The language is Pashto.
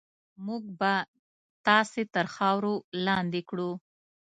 موږ به تاسې تر خاورو لاندې کړو.